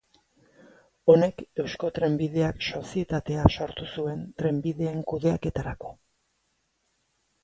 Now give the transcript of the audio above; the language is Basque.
Honek Eusko Trenbideak sozietatea sortu zuen trenbideen kudeaketarako.